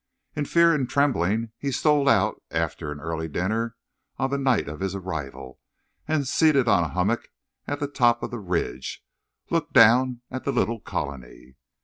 In fear and trembling he stole out, after an early dinner on the night of his arrival, and, seated on a hummock at the top of the ridge, looked down at the little colony.